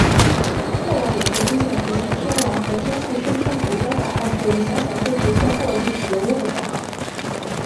过往也曾出现补习天王和天后身穿古装打扮成武侠小说角色或历史人物的广告。